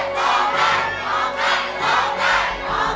ร้องได้